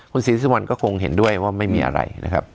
คุณศรีสุวรรณก็คงเห็นด้วยว่าไม่มีอะไรนะครับ